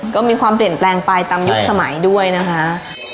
ก็มีความเปลี่ยนแปลงไปตามยุคสมัยด้วยนะคะ